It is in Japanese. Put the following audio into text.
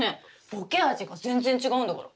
ボケ味が全然違うんだから。